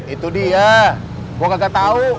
itu dia gue kagak tahu